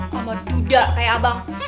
sama duda kayak abang